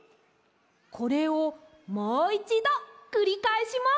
これをもういちどくりかえします。